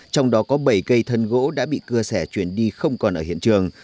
trong đó có bảy cây thân gỗ đã bị cưa xẻ chuyển đi không còn ở hiện trường